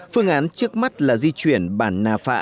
phương án trước mắt là di chuyển bản nà phạ